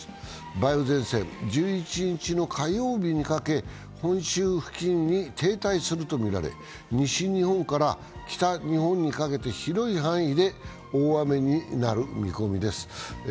梅雨前線、１１日の火曜日にかけ本州付近に停滞するとみられ西日本から北日本にかけて広い範囲で大雨になる見込みです。